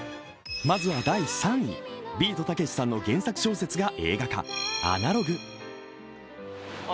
ビートたけしさんの原作小説が映画化「アナログ」。